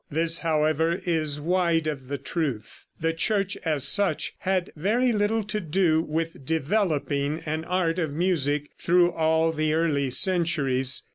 This, however, is wide of the truth. The Church as such had very little to do with developing an art of music through all the early centuries.